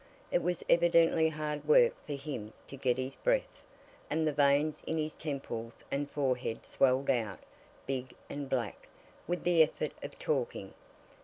It was evidently hard work for him to get his breath, and the veins in his temples and forehead swelled out, big and black, with the effort of talking.